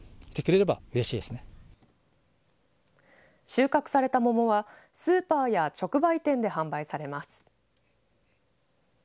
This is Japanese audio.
収穫された桃はスーパーや直売店で販売されます。